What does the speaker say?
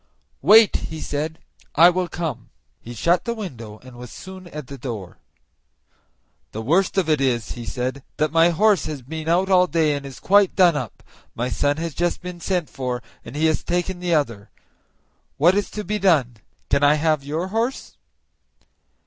"Wait," he said, "I will come." He shut the window, and was soon at the door. "The worst of it is," he said, "that my horse has been out all day and is quite done up; my son has just been sent for, and he has taken the other. What is to be done? Can I have your horse?"